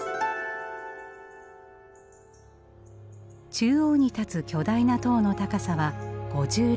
中央に立つ巨大な塔の高さは５６メートル。